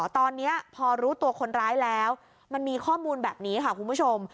ตอนนี้พอรู้ตัวคนร้ายแล้วมันมีข้อมูลแบบนี้ค่ะคุณผู้ชม